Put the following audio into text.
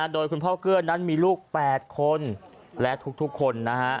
โดยคุณพ่อเกลือนั้นมีลูก๘คนและทุกคน